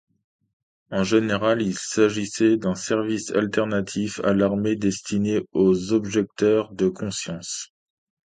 En général, il s'agissait d'un service alternatif à l'armée destiné aux objecteurs de conscience.